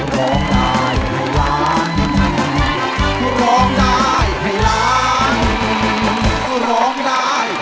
สวัสดีค่ะ